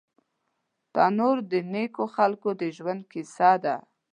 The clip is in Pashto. تنور د نیکو خلکو د ژوند کیسه ده